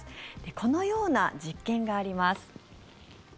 このような実験があります。